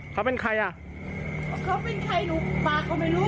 เขาเป็นใครอ่ะเขาเป็นใครหนูปากก็ไม่รู้